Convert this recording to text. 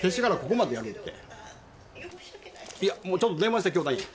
いや、もう、ちょっと電話して、教会に。